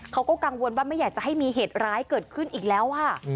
เขาก็กังวลว่าไม่อยากจะให้มีเหตุร้ายเกิดขึ้นอีกแล้วค่ะ